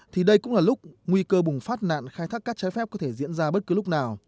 thì đây cũng là lúc nguy cơ bùng phát nạn khai thác cát trái phép có thể diễn ra bất cứ lúc nào